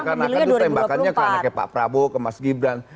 jangan sampai seakan akan itu tembakannya ke anaknya pak prabowo ke mas gibran